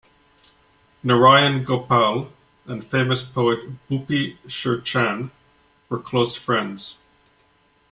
Narayan Gopal and famous poet Bhupi Sherchan were close friends.